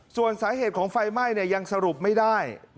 ส่วนสาเหตุของไฟไหม้ยังสรุปไม่ได้